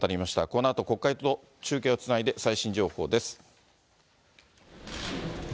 このあと国会と中継をつないで、最新情報です。